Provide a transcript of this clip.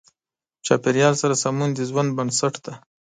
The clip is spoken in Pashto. چاپېریال سره سمون د ژوند بنسټ دی.